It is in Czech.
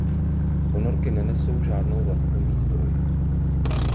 Ponorky nenesou žádnou vlastní výzbroj.